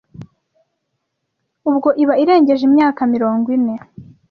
ubwo iba irengeje imyaka mirongo ine